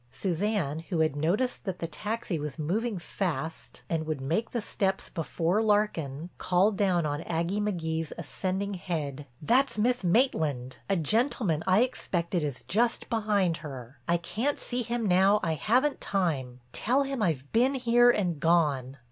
Suzanne, who had noticed that the taxi was moving fast and would make the steps before Larkin, called down on Aggie McGee's ascending head: "That's Miss Maitland. A gentleman I expected is just behind her. I can't see him now, I haven't time. Tell him I've been here and gone."